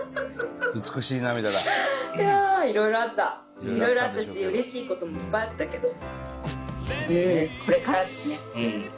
いやいろいろあったいろいろあったしうれしいこともいっぱいあったけどこれからですね。